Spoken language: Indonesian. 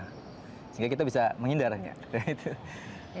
sehingga kita bisa menghindarnya